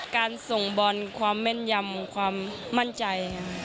การส่งบอลความแม่นยำความมั่นใจ